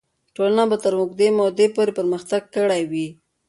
ټولنه به تر اوږدې مودې پورې پرمختګ کړی وي.